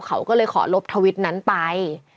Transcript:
เขาก็เลยขอลบทวิตนั้นไป